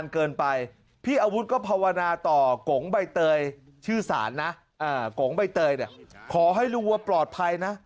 ก็ภาวนาต่อกงใบเตยชื่อศาลนะอ่ากงใบเตยเนี่ยขอให้ลูกวัวปลอดภัยนะ